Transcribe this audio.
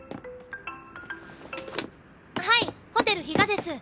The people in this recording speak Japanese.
☎はいホテル比嘉です。